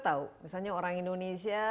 tahu misalnya orang indonesia